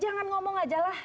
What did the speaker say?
jangan ngomong aja lah